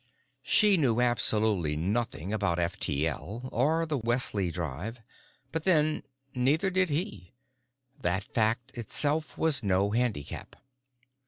She knew absolutely nothing about F T L or the Wesley drive, but then—neither did he. That fact itself was no handicap.